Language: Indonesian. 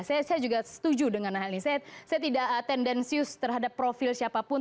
saya juga setuju dengan hal ini saya tidak tendensius terhadap profil siapapun